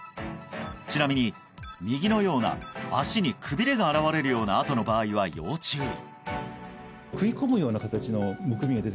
ちなみに右のような足にくびれが現れるような跡の場合は要注意！